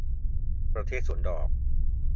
ประเทศสวนดอก